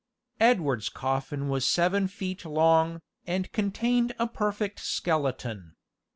Edward's coffin was seven feet long, and contained a perfect skeleton.